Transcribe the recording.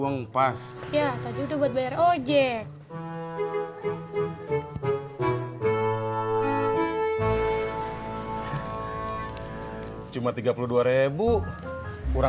nggak jadi ya